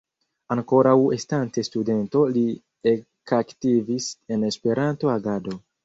Ankoraŭ estante studento li ekaktivis en Esperanto-agado.